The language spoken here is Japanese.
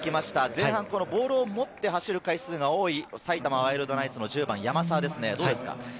前半、ボールを持って走る回数が多い、埼玉ワイルドナイツの１０番・山沢ですね。